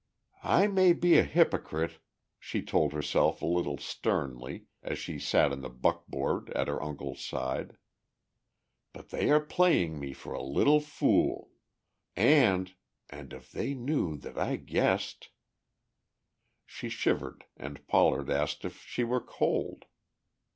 "I may be a hypocrite," she told herself a little sternly, as she sat in the buckboard at her uncle's side. "But they are playing me for a little fool! And ... and if they knew that I guessed...." She shivered and Pollard asked if she were cold.